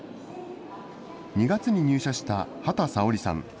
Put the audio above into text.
２月に入社した畑沙織さん。